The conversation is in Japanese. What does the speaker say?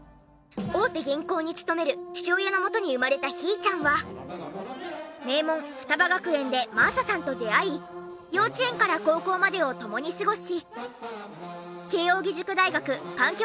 大手銀行に勤める父親のもとに生まれたひーちゃんは名門雙葉学園で真麻さんと出会い幼稚園から高校までを共に過ごし。